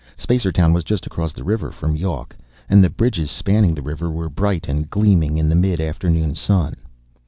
Spacertown was just across the river from Yawk, and the bridges spanning the river were bright and gleaming in the mid afternoon sun.